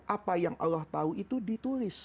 apa yang allah tahu itu ditulis